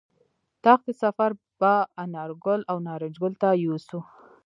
تخت سفر به انارګل او نارنج ګل ته یوسو